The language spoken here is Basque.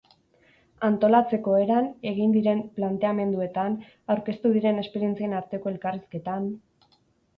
Antolatzeko eran, egin diren planteamenduetan, aurkeztu diren esperientzien arteko elkarrizketan...